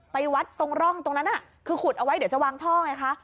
ไปวัดตรงร่องตรงนั้นคือขุดเอาไว้เดี๋ยวจะวางท่อไงคะ